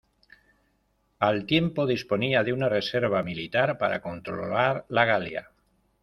Al tiempo disponía de una reserva militar para controlar la Galia.